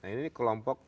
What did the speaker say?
nah ini kelompok